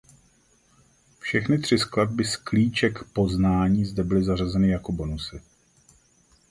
Všechny tři skladby z "Klíče k poznání" zde byly zařazeny jako bonusy.